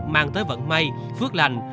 mang tới vận may phước lành